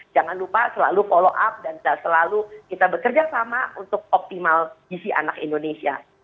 jangan lupa selalu follow up dan selalu kita bekerja sama untuk optimal gizi anak indonesia